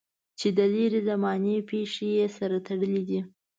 چې د لرې زمانې پېښې یې سره تړلې دي.